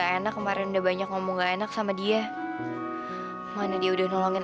hei jel ayo dong jel sini turun